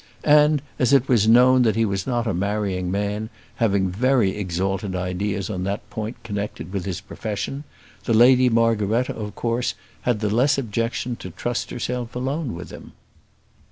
And as it was known that he was not a marrying man, having very exalted ideas on that point connected with his profession, the Lady Margaretta, of course, had the less objection to trust herself alone with him.